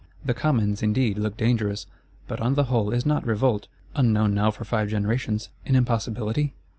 The Commons, indeed, look dangerous; but on the whole is not revolt, unknown now for five generations, an impossibility?